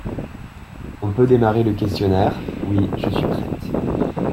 On peut démarrer le questionnaire? Oui, je suis prête.